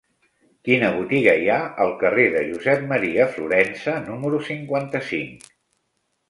Quina botiga hi ha al carrer de Josep M. Florensa número cinquanta-cinc?